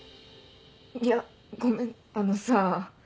いやごめんあのさぁ。